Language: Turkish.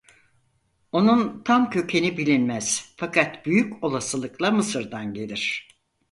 Onun tam kökeni bilinmez fakat büyük olasılıkla Mısır'dan gelir.